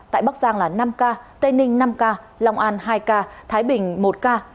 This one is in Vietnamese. tại bắc giang là năm ca tây ninh năm ca long an hai ca thái bình một ca